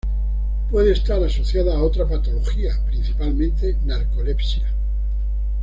Puede estar asociada a otra patología, principalmente narcolepsia.